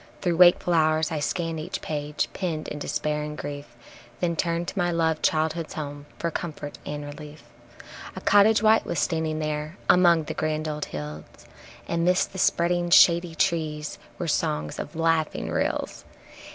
Through wakeful hours I scan each page penned in despair and grief, Then turn to my loved childhood's home for comfort and relief. A cottage white was standing there among the grand old hills. And 'midst the spreading shady trees were songs of laughing rills.